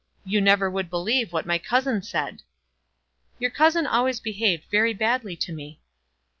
You never would believe what my cousin said." "Your cousin always behaved very badly to me."